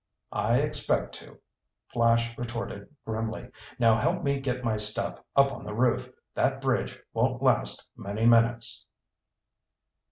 "I expect to," Flash retorted grimly. "Now help me get my stuff up on the roof! That bridge won't last many minutes!"